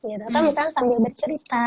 atau misalnya sambil bercerita